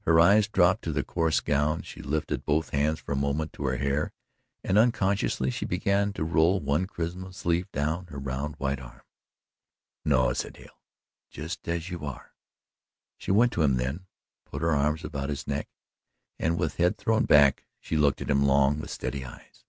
Her eyes dropped to the coarse gown, she lifted both hands for a moment to her hair and unconsciously she began to roll one crimson sleeve down her round, white arm. "No," said Hale, "just as you are." She went to him then, put her arms about his neck, and with head thrown back she looked at him long with steady eyes.